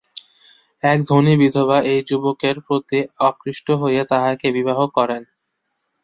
এক ধনী বিধবা এই যুবকের প্রতি আকৃষ্ট হইয়া তাঁহাকে বিবাহ করেন।